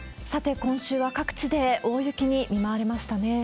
さて、今週は各地で大雪に見舞われましたね。